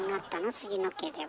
杉野家では。